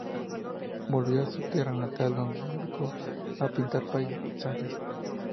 Volvió a su tierra natal, donde se dedicó a pintar paisajes.